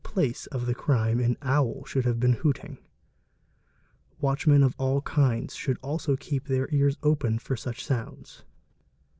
| place of the crime an owl should have || been hooting. Watchmen of all kinds should also keep their ears open a such sounds.